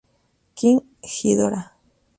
King Ghidorah.